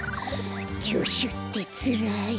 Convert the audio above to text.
じょしゅってつらい。